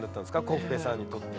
コッフェさんにとって。